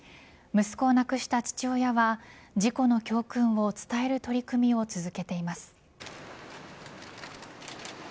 息子を亡くした父親は事故の教訓を伝える取り組みを続けています。